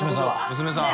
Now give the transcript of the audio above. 娘さん。